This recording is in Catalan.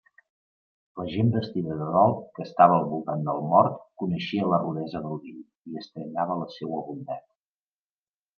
La gent vestida de dol que estava al voltant del mort coneixia la rudesa del vell, i estranyava la seua bondat.